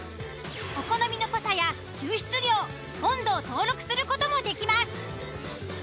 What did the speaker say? お好みの濃さや抽出量温度を登録する事もできます。